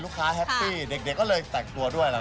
แฮปปี้เด็กก็เลยแต่งตัวด้วย